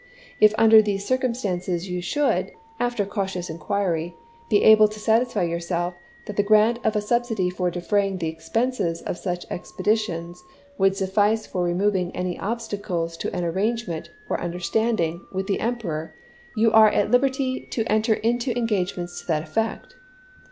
If under these circumstances you should, after cautious inquiry, be able to satisfy yourself that the grant of a subsidy for defraying the expenses of such expeditions would suffice for removing any obstacles to an arrangement, or un derstanding, with the Emperor, you are at hberty to enter into engagements to that effect.